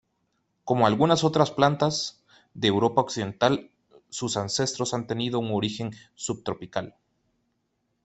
Como algunas otras plantas de Europa occidental, sus ancestros han tenido un origen subtropical.